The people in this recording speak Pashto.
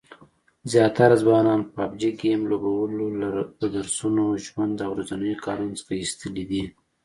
زیاتره ځوانان پابجي ګیم لوبولو له درسونو، ژوند او ورځنیو کارونو څخه ایستلي دي